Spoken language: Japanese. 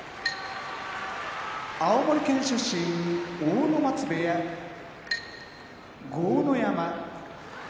青森県出身阿武松部屋豪ノ山